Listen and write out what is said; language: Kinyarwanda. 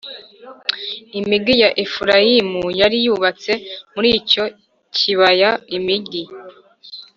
imigii ya Efurayimu yari yubatse muri icyo kibaya imigi